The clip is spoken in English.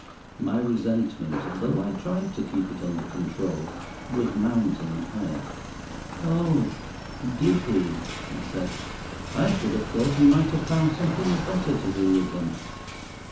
My resentment, though I tried to keep it under control, was mounting higher. "Oh! did he?" I said; "I should have thought he might have found something better to do with them."